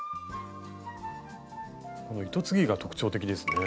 糸継ぎが特徴的ですね。